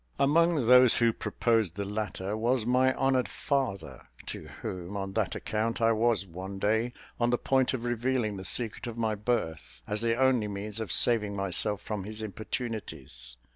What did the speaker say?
"Among those who proposed the latter, was my honoured father, to whom, on that account, I was one day on the point of revealing the secret of my birth, as the only means of saving myself from his importunities.